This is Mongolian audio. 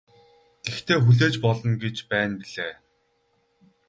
Гэхдээ хүлээж болно гэж байна билээ.